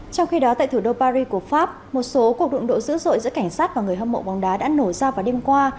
trong khi đó tại thủ đô paris của pháp một số cuộc đụng độ dữ dội giữa cảnh sát và người hâm mộ bóng đá đã nổ ra vào đêm qua